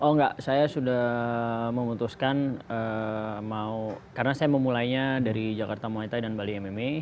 oh enggak saya sudah memutuskan mau karena saya memulainya dari jakarta muay thai dan bali mma